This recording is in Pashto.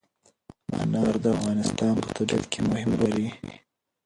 انار د افغانستان په طبیعت کې مهم رول لري.